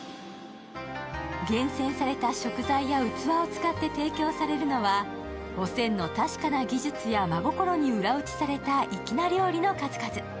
厳選された食材や器を使って提供されるのはおせんの確かな技術や真心に裏打ちされた粋な料理の数々。